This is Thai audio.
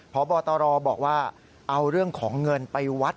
พบตรบอกว่าเอาเรื่องของเงินไปวัด